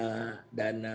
kemudian ada dana